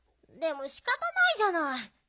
でもしかたないじゃない。